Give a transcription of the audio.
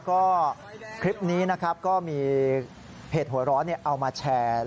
ก็คลิปนี้นะครับก็มีเพจหัวร้อนเอามาแชร์